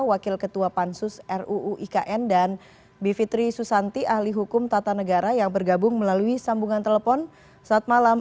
wakil ketua pansus ruu ikn dan bivitri susanti ahli hukum tata negara yang bergabung melalui sambungan telepon saat malam